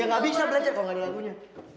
ya gak bisa belajar kalau gak ada lagunya